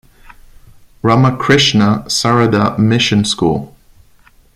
Ramakrishna Sarada Mission School.